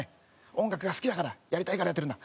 「音楽が好きだからやりたいからやってるんだ」。